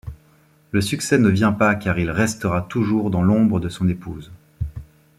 Le succès ne vient pas car il restera toujours dans l'ombre de son épouse.